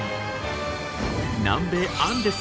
南米アンデス。